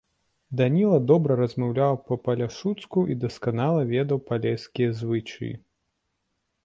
Даніла добра размаўляў па-паляшуцку і дасканала ведаў палескія звычаі.